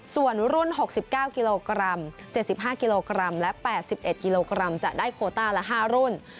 ส่วนรุ่น๖๙กิโลกรัม๗๕กิโลกรัมและ๘๑กิโลกรัมจะได้โคต้าละ๕รุ่น